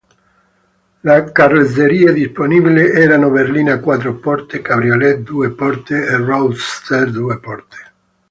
Le carrozzerie disponibili erano berlina quattro porte, cabriolet due porte e roadster due porte.